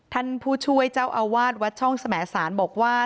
ท่านผู้ช่วยเจ้าอาวาสวัดช่องสมสารบอกว่า